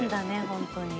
本当に」